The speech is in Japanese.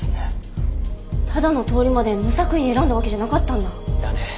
ただの通り魔で無作為に選んだわけじゃなかったんだ。だね。